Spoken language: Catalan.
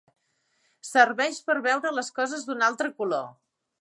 Serveix per veure les coses d'un altre color.